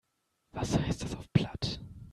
Was heißt das auf Platt?